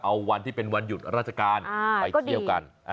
เอาวันที่เป็นวันหยุดราชการไปเที่ยวกัน